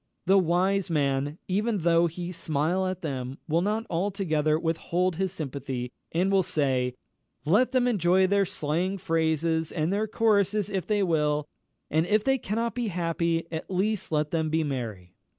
The wise man, even though he smile at them, will not altogether withhold his sympathy, and will say, "Let them enjoy their slang phrases and their choruses if they will; and if they cannot be happy, at least let them be merry."